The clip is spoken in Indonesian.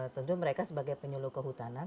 tentu mereka sebagai penyuluh kehutanan